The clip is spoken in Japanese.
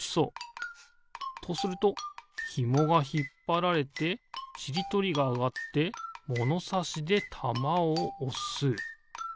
とするとひもがひっぱられてちりとりがあがってものさしでたまをおす。